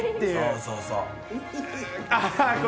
そうそうそう。